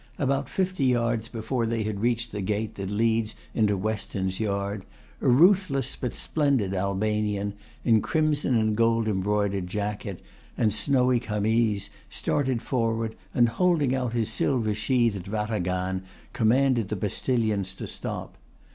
About fifty yards before they had reached the gate that leads into Weston's Yard, a ruthless but splendid Albanian, in crimson and gold embroidered jacket, and snowy camise, started forward, and holding out his silver sheathed yataghan commanded the postilions to stop.